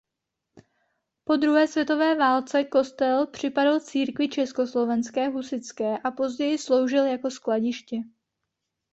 Po druhé světové válce kostel připadl Církvi československé husitské a později sloužil jako skladiště.